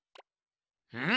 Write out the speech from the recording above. うん？